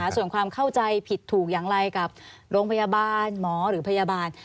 ส่วนความเข้าใจผิดถูกอย่างไรกับโรงพยาบาลหมอหรือพยาบาล